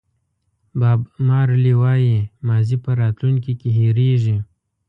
باب مارلې وایي ماضي په راتلونکي کې هېرېږي.